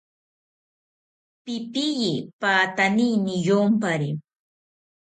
Pipiye patani niyompari